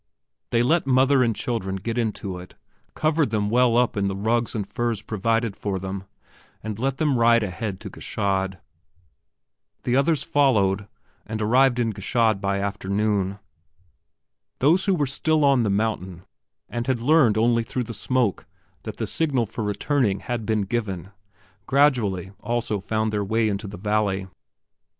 They let mother and children get into it, covered them well up in the rugs and furs provided for them and let them ride ahead to Gschaid. The others followed and arrived in Gschaid by afternoon. Those who still were on the mountain and had only learned through the smoke that the signal for returning had been given, gradually also found their way into the valley.